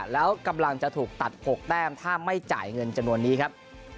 แล้วกำลังจะถูกตัด๖แต้มถ้าไม่จ่ายเงินจำนวนนี้ครับ